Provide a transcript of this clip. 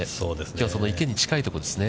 きょうは、その池に近いところですね。